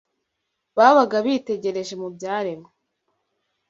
babaga bitegereje mu byaremwe